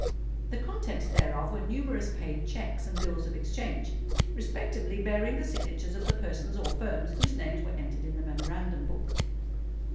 The contents thereof were numerous paid checks, and bills of exchange, respectively bearing the signatures of the persons or firms whose names were entered in the memorandum book.